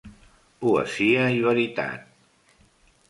Poesia i veritat.